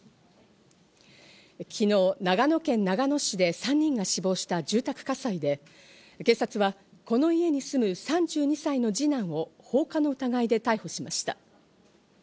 昨日、長野県長野市で３人が死亡した住宅火災で、警察は、この家に住む３２歳の二男を放火の疑いで逮捕しました。